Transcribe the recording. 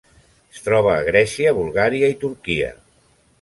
Es troba a Grècia, Bulgària i Turquia.